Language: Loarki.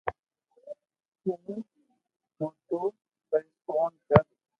تو موتو ڀروسو ڪر